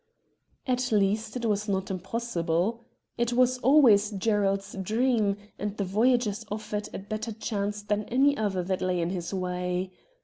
At least it was not impossible. It was always Gerald's dream, and the Voyagers offered a better chance than any other that lay in his way.